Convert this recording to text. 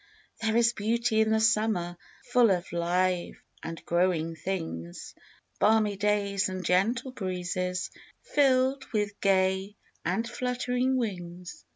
There is beauty in the summer Full of live and growing things, Balmy days and gentle breezes, Filled with gay and fluttering wings.